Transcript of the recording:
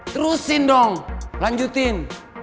terusin dong lanjutin